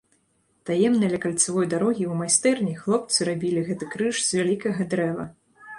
Таемна ля кальцавой дарогі ў майстэрні хлопцы рабілі гэты крыж з вялікага дрэва.